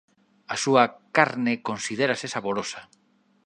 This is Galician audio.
A súa carne considérase saborosa.